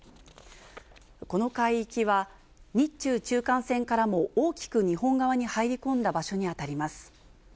この海域は、日中中間線からも大きく日本側に入り込んだ場所に当たります。